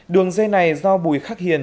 đường dây này do bùi khắc hiền